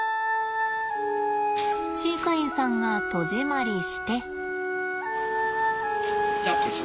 飼育員さんが戸締まりして。